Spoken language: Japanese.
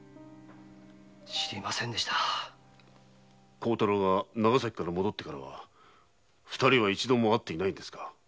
孝太郎が長崎から戻ってからは二人は会っていないのですか？